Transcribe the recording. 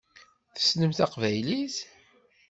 Tessnem taqbaylit?